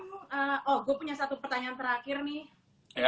oh gue punya satu pertanyaan terakhir nih